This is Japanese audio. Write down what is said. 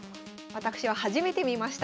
私は初めて見ました。